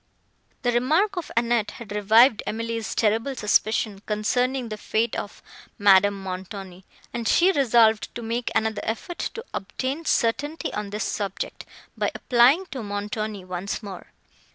The remark of Annette had revived Emily's terrible suspicion, concerning the fate of Madame Montoni; and she resolved to make another effort to obtain certainty on this subject, by applying to Montoni once more.